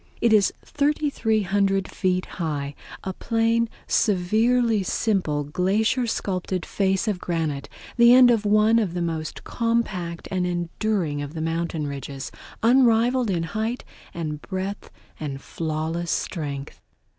It is 3300 feet high, a plain, severely simple, glacier sculptured face of granite, the end of one of the most compact and enduring of the mountain ridges, unrivaled in height and breadth and flawless strength.